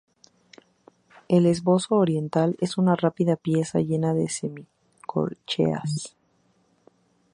El "Esbozo oriental" es una rápida pieza llena de semicorcheas.